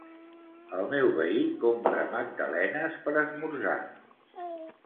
El meu veí compra magdalenes per esmorzar